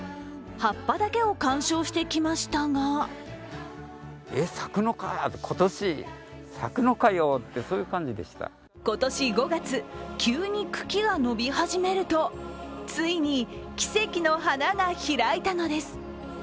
葉っぱだけを鑑賞してきましたが今年５月、急に茎が伸び始めるとついに奇跡の花が開いたのです。